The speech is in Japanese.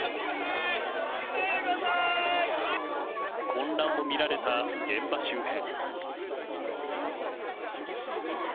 混乱も見られた現場周辺。